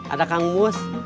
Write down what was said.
ada kang mus